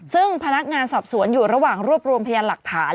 ซึ่งพนักงานสอบสวนอยู่ระหว่างรวบรวมพยานหลักฐาน